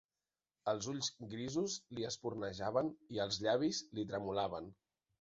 Els ulls grisos li espurnejaven i els llavis li tremolaven.